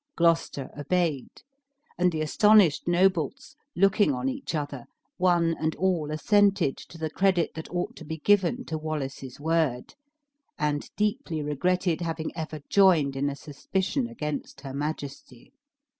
Gloucester obeyed; and the astonished nobles, looking on each other, one and all assented to the credit that ought to be given to Wallace's word, and deeply regretted having ever joined in a suspicion against her majesty.